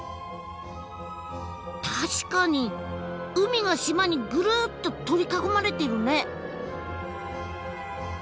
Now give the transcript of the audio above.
確かに海が島にぐるっと取り囲まれてるね。